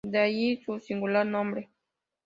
De ahí su singular nombre.